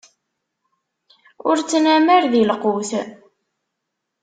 Ur ttnamar di lqut!